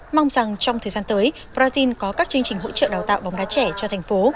mong rằng trong thời gian tới brazil có các chương trình hỗ trợ đào tạo bóng đá trẻ cho thành phố